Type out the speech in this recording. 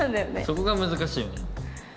そこが難しいよね。